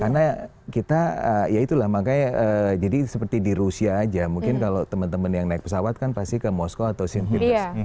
karena kita ya itulah makanya jadi seperti di rusia aja mungkin kalau temen temen yang naik pesawat kan pasti ke moskow atau sinfidos